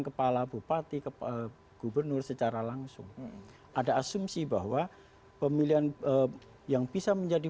kepala bupati kepala gubernur secara langsung ada asumsi bahwa pemilihan yang bisa menjadi